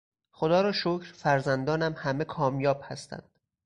خدا را شکر فرزندانم همه کامیاب هستند.